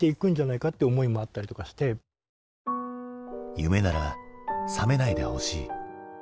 夢なら覚めないでほしい。